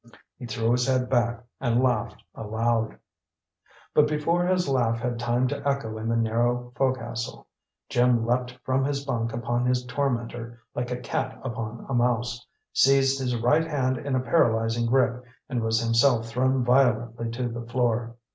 He threw his head back and laughed aloud. But before his laugh had time to echo in the narrow fo'cas'le, Jim leaped from his bunk upon his tormentor, like a cat upon a mouse, seized his right hand in a paralyzing grip, and was himself thrown violently to the floor.